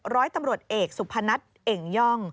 ร้อยตำรวจเอกสุพนัทเอ่งย่อง